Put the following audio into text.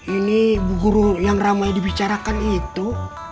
ini guru yang ramai dibicarakan itu